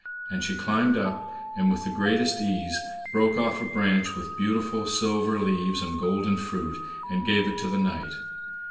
And she climbed up, and with the greatest ease broke off a branch with beautiful silver leaves and golden fruit, and gave it to the knight.